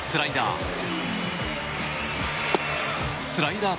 スライダー。